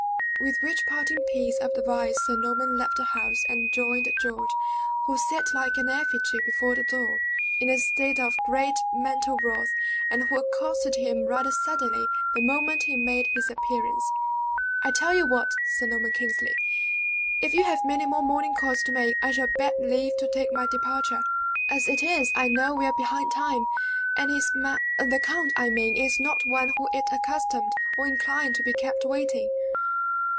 With which parting piece of advice Sir Norman left the house, and joined George, who sat like an effigy before the door, in a state of great mental wrath, and who accosted him rather suddenly the moment he made his appearance. "I tell you what, Sir Norman Kingsley, if you have many more morning calls to make, I shall beg leave to take my departure. As it is, I know we are behind time, and his ma the count, I mean, is not one who it accustomed or inclined to be kept waiting."